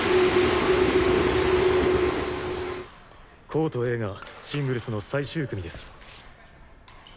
コートＡがシングルスの最終組です。